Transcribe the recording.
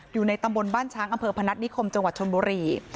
อยู่ในตำบลบ้านช้างอำเภอพนัฐนิคมจังหวัดชนบุรี